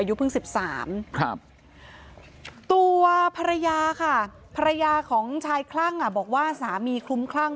เพิ่ง๑๓ครับตัวภรรยาค่ะภรรยาของชายคลั่งบอกว่าสามีคลุ้มคลั่ง